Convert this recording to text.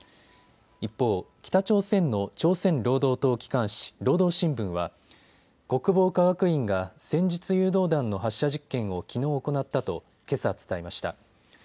一方、北朝鮮の朝鮮労働党機関紙、労働新聞は国防科学院が戦術誘導弾の発射実験をきのう行ったとけさ伝えました。